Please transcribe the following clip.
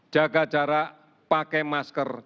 jaga jarak pakai masker